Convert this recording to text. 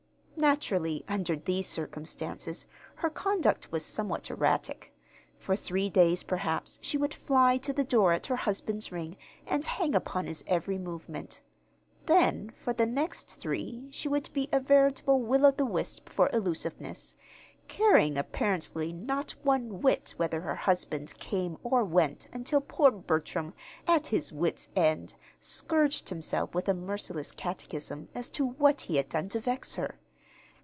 Naturally, under these circumstances, her conduct was somewhat erratic. For three days, perhaps, she would fly to the door at her husband's ring, and hang upon his every movement. Then, for the next three, she would be a veritable will o' the wisp for elusiveness, caring, apparently, not one whit whether her husband came or went until poor Bertram, at his wit's end, scourged himself with a merciless catechism as to what he had done to vex her.